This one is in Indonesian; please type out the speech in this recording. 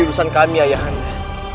jadi urusan kami ayah anda